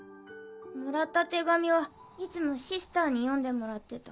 もらった手紙はいつもシスターに読んでもらってた。